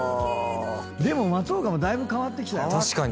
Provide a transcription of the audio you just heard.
でも松岡もだいぶ変わってきたよ。